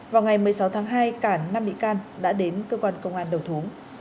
vào ngày một mươi sáu tháng hai cả năm bị can đã đến cơ quan công an đầu thú